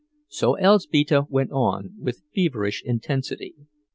So Elzbieta went on, with feverish intensity.